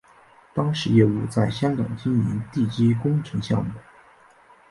当时业务在香港经营地基工程项目。